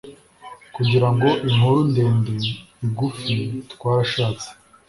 Kugira ngo inkuru ndende igufi, twarashatse.